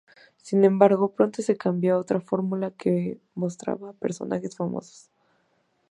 Sin embargo, pronto se cambió a otra fórmula, que mostraba a personajes famosos.